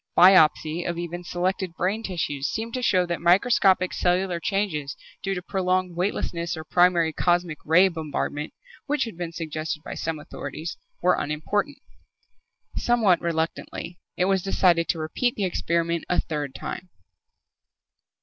Biopsy of even selected brain tissues seemed to show that microscopic cellular changes due to prolonged weightlessness or primary cosmic ray bombardment, which had been suggested by some authorities, were unimportant. Somewhat reluctantly, it was decided to repeat the experiment a third time.